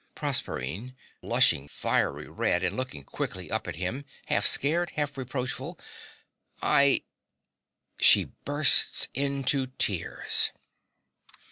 PROSERPINE (blushing fiery red, and looking quickly up at him, half scared, half reproachful). I (She bursts into tears.)